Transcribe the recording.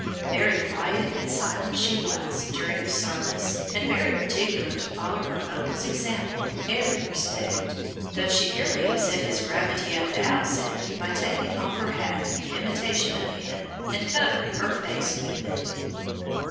Very quiet and silent she was during the service, and very particular to follow her uncle's example in every respect, though she nearly upset his gravity at the outset by taking off her hat in imitation of him and covering her face with it.